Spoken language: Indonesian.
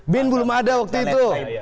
bin belum ada waktu itu